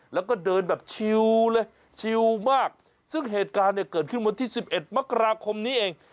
แล้วก็เดินแบบชิวเลยชิวมากซึ่งเหตุการณ์เนี่ยเกิดขึ้นวันที่๑๑มกราคมนี้เอง